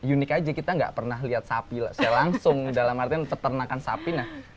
unik aja kita nggak pernah lihat sapi secara langsung dalam artian peternakan sapi